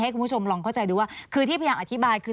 คุณผู้ชมลองเข้าใจดูว่าคือที่พยายามอธิบายคือ